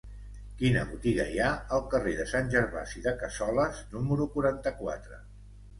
Quina botiga hi ha al carrer de Sant Gervasi de Cassoles número quaranta-quatre?